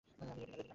আমি রেডি না।